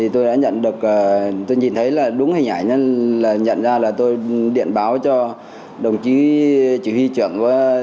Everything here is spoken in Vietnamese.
tôi nhìn thấy đúng hình ảnh nhận ra tôi điện báo cho đồng chí chỉ huy trưởng